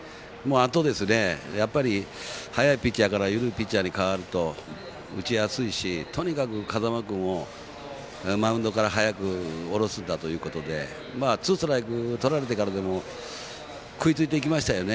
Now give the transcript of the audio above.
あとやっぱり速いピッチャーから緩いピッチャーに代わると打ちやすいしとにかく風間君をマウンドから早く降ろすんだということでツーストライクとられてからも食いついていきましたよね。